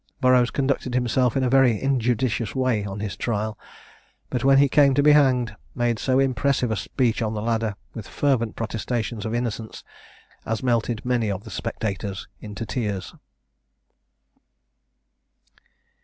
Burroughs conducted himself in a very injudicious way on his trial; but, when he came to be hanged, made so impressive a speech on the ladder, with fervent protestations of innocence, as melted many of the spectators into tears.